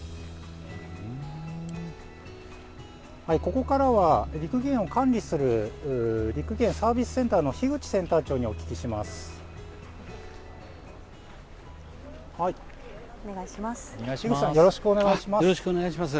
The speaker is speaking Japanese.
ここからは六義園を管理する六義園サービスセンターの樋口センター長にお聞きします。